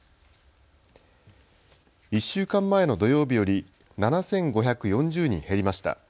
１週間前の土曜日より７５４０人減りました。